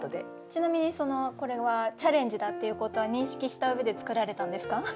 ちなみにそのこれはチャレンジだっていうことは認識した上で作られたんですか？